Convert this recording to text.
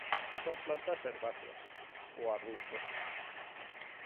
Son plantas herbáceas, o arbustos.